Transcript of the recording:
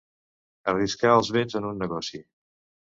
Arriscar els béns en un negoci.